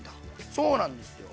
そうなんですよ。